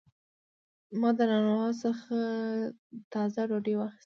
ما د نانوان څخه تازه ډوډۍ واخیسته.